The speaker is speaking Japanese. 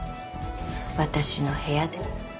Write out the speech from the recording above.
私の部屋で。